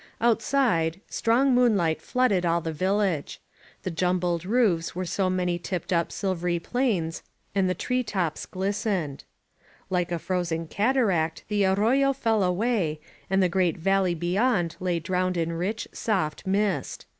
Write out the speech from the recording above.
Outside, strong moonlight flooded all the village. 295 INSUKGENT MEXICO The jnmUed roofs were so many tipped op sflyery planes, and the tree tops listened. like a frozen cataract the arrojo fell away, and the great valley be yond lay drowned in rich, soft mist.